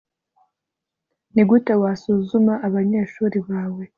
nigute wasuzuma abanyeshuri bawe